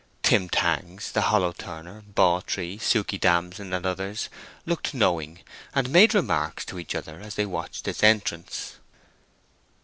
Tim Tangs, the hollow turner, Bawtree, Suke Damson, and others, looked knowing, and made remarks to each other as they watched its entrance.